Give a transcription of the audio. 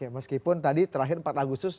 meskipun tadi terakhir empat agustus